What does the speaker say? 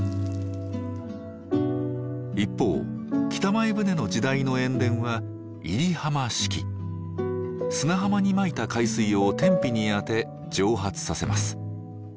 一方北前船の時代の塩田は砂浜にまいた海水を天日に当て蒸発させます。